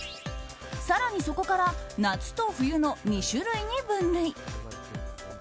更にそこから夏と冬の２種類に分類。